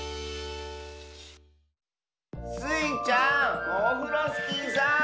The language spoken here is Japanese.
スイちゃんオフロスキーさん。